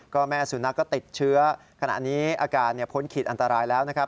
ก็แม่สุนัขก็ติดเชื้อขณะนี้อาการพ้นขีดอันตรายแล้วนะครับ